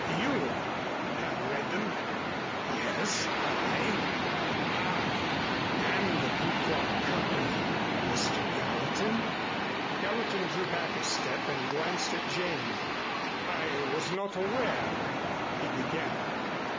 "You have read them?" "Yes, I. I am the Pequot Coal Company, Mr. Gallatin." Gallatin drew back a step and glanced at Jane. "I was not aware " he began.